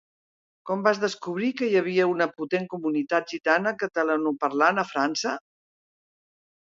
Com vas descobrir que hi havia una potent comunitat gitana catalanoparlant a França?